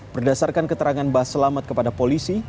berdasarkan keterangan bah selamat kepada polisi